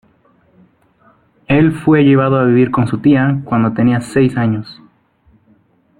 Él fue llevado a vivir con su tía cuando tenía seis años.